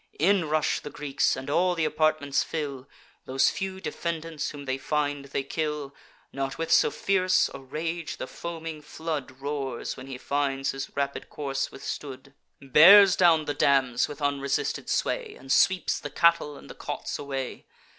In rush the Greeks, and all the apartments fill; Those few defendants whom they find, they kill. Not with so fierce a rage the foaming flood Roars, when he finds his rapid course withstood; Bears down the dams with unresisted sway, And sweeps the cattle and the cots away.